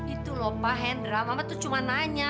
itu lho pak hendra mama tuh cuma nanya